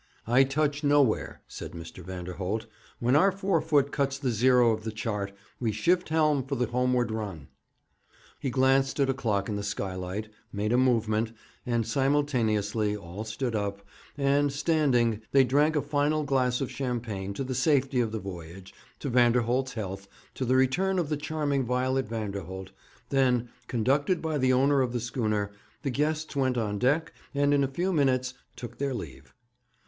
'I touch nowhere,' said Mr. Vanderholt. 'When our forefoot cuts the zero of the chart, we shift helm for the homeward run.' He glanced at a clock in the skylight, made a movement, and simultaneously all stood up, and, standing, they drank a final glass of champagne to the safety of the voyage, to Vanderholt's health, to the return of the charming Violet Vanderholt; then, conducted by the owner of the schooner, the guests went on deck, and in a few minutes took their leave.